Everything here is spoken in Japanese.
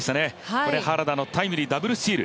ここで原田のタイムリーとダブルスチール。